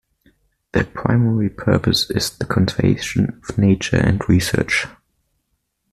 Their primary purpose is the conservation of nature and research.